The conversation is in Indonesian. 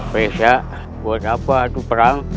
maesha kenapa ada perang